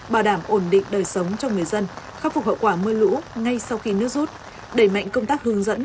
bảo đảm ổn định đời sống cho người dân khắc phục hậu quả mưa lũ ngay sau khi nước rút đẩy mạnh công tác hướng dẫn